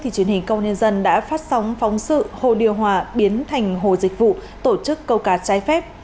truyền hình công nhân đã phát sóng phóng sự hồ điều hòa biến thành hồ dịch vụ tổ chức câu cá trái phép